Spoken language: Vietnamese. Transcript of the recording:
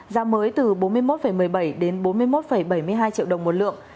giá mới từ bốn mươi một một mươi bảy đến bốn mươi một bảy mươi hai triệu đồng một lượng